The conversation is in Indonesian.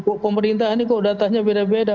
kok pemerintah ini kok datanya beda beda